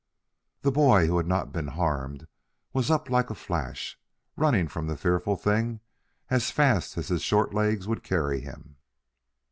The boy, who had not been harmed, was up like a flash, running from the fearful thing as fast as his short legs would carry him.